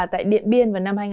tại điện biên vào năm hai nghìn